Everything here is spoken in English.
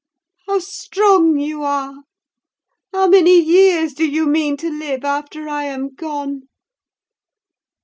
How strong you are! How many years do you mean to live after I am gone?"